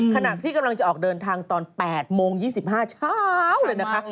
ขณะที่กำลังจะออกเดินทางตอน๘โมง๒๕เช้าเลยนะคะ